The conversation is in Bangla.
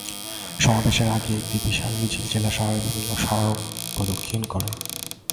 সমাবেশের আগে একটি বিশাল মিছিল জেলা শহরের বিভিন্ন সড়ক প্রদক্ষিণ করে।